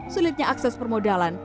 sulitnya akses permodalan